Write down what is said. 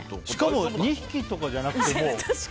しかも２匹とかじゃなくて。